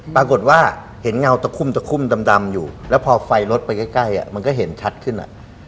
ปรากฏว่าเห็นเงาตะคุ่มตะคุ่มดำอยู่แล้วพอไฟรถไปใกล้มันก็เห็นชัดขึ้น